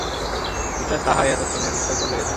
Mister Sahay এতক্ষণে নিশ্চয় চলে গেছেন।